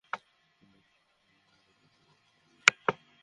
তোমাদের পৃথিবীতে আনার জন্য তাদের জীবন উৎসর্গ করেছে।